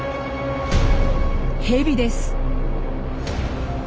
ヘビです。